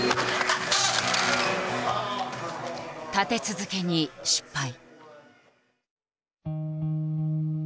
立て続けに失敗。